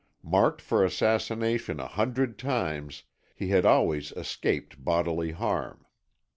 Marked for assassination a hundred times, he had always escaped bodily harm.